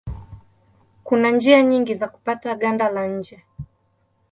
Kuna njia nyingi za kupata ganda la nje.